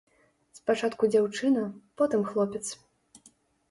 Спачатку дзяўчына, потым хлопец.